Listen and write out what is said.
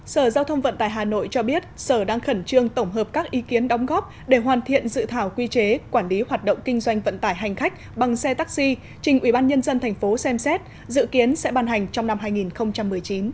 sở giao thông vận tải hà nội cho biết sở đang khẩn trương tổng hợp các ý kiến đóng góp để hoàn thiện dự thảo quy chế quản lý hoạt động kinh doanh vận tải hành khách bằng xe taxi trình ubnd tp xem xét dự kiến sẽ ban hành trong năm hai nghìn một mươi chín